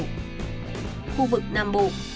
khu vực nam bộ